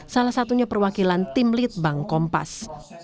salah satunya perwakilan tim litbang kompas